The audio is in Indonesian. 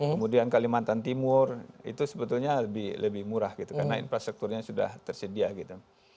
kemudian kalimantan timur itu sebetulnya lebih murah gitu karena infrastrukturnya sudah tersedia gitu